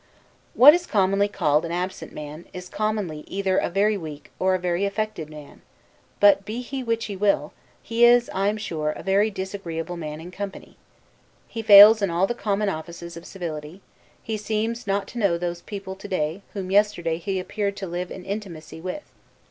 What is commonly called an absent man, is commonly either a very weak, or a very affected man; but be he which he will, he is, I am sure, a very disagreeable man in company. He fails in all the common offices of civility; he seems not to know those people to day, whom yesterday he appeared to live in intimacy with.